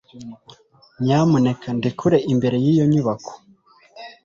Nyamuneka ndekure imbere y'iyo nyubako.